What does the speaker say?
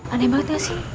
aneh banget gak sih